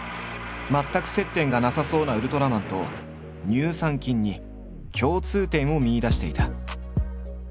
全く接点がなさそうなウルトラマンと乳酸菌に共通点を見いだしていた。